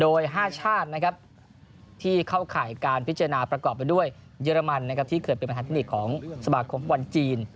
โดย๕ชาตินะครับที่เข้าข่ายการพิจารณาประกอบด้วยเยอรมันนะครับที่เกิดเป็นบรรทนิกของสมาครมภาควรจีน